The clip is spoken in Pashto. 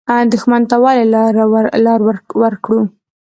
دښمن ته ولې لار ورکړو؟